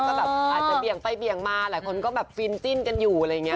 ก็แบบอาจจะเบี่ยงไปเบี่ยงมาหลายคนก็แบบฟินจิ้นกันอยู่อะไรอย่างนี้